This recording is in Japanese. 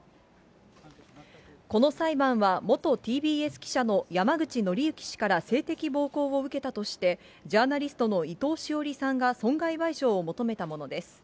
この裁判は、元ＴＢＳ記者の山口敬之氏から性的暴行を受けたとして、ジャーナリストの伊藤詩織さんが損害賠償を求めたものです。